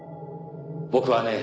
僕はね